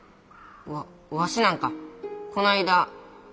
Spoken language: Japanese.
ワワシなんかこないだ